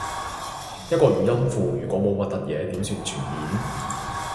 一個語音庫如果冇核突嘢點算全面